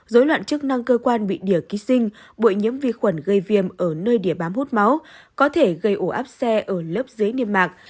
dối loạn chức năng cơ quan bị đỉa ký sinh bội nhiễm vi khuẩn gây viêm ở nơi địa bám hút máu có thể gây ổ áp xe ở lớp dưới niêm mạc